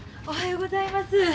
おはようございます。